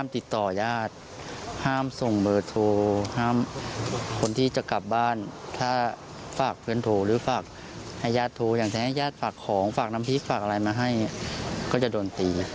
ถ้าพวกเขาตามอ่านคอยเวลาทำร้ายร่างงอ